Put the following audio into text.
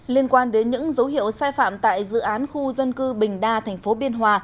liên quan đến những dấu hiệu sai phạm tại dự án khu dân cư bình đa thành phố biên hòa